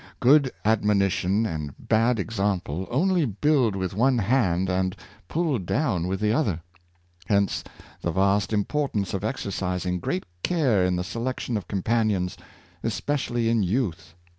Good admonition and bad example only build with one hand and pull down with the other. Hence the vast importance of exercising great care in the selection of companions, especially in youth.